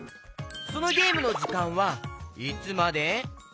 そのゲームのじかんはいつまで？